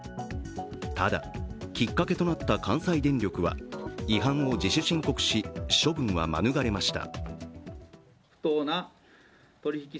ただ、きっかけとなった関西電力は違反を自主申告し、処分は免れました。